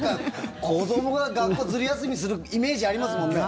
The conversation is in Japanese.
子どもが学校ずる休みするイメージありますもんね。